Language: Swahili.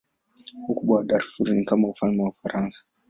Ukubwa wa Darfur ni kama ule wa Ufaransa.